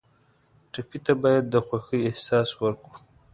ټپي ته باید د خوښۍ احساس ورکړو.